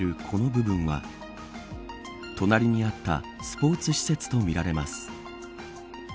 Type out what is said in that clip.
この部分は隣にあったスポーツ施設とみられます。